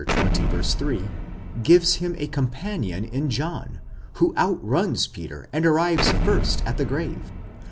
3), gives him a companion in John, who Outruns Peter and arrives first at the grave.